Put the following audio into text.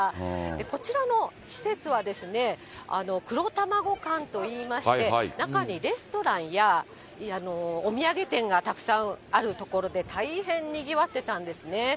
こちらの施設は黒たまご館といいまして、中にレストランやお土産店がたくさんある所で、大変にぎわってたんですね。